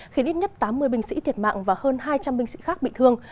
khiến ít nhất tám mươi binh sĩ thiệt mạng và hơn hai trăm linh binh sĩ khác bị thương